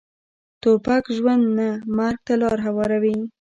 توپک ژوند نه، مرګ ته لاره هواروي.